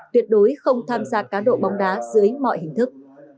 tuyệt đối không tham gia cá độ bóng đá dưới mọi hình thức